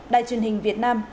đài truyền hình việt nam